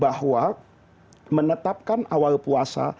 bahwa menetapkan awal puasa